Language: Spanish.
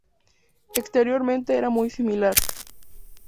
Exteriormente era muy similar.